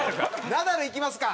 ナダルいきますか。